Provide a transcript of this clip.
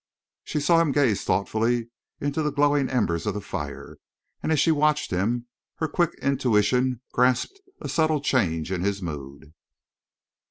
She saw him gaze thoughtfully into the glowing embers of the fire, and as she watched him her quick intuition grasped a subtle change in his mood.